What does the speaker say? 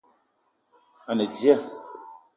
A ne dia